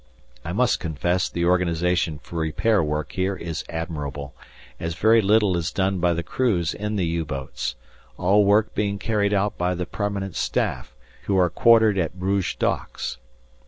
I must confess the organization for repair work here is admirable, as very little is done by the crews in the U boats, all work being carried out by the permanent staff, who are quartered at Bruges docks.